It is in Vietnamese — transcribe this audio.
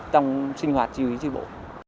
trong sinh hoạt chiêu ý chi bộ